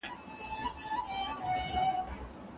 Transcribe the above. د استاد پوهه د شاګرد تر پوهي ډېره او پراخه ده.